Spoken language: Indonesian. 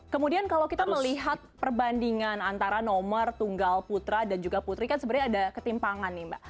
kemudian kalau kita melihat perbandingan antara nomor tunggal putra dan juga putri kan sebenarnya ada ketimpangan nih mbak